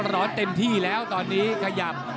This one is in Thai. เต็มที่แล้วตอนนี้ขยับ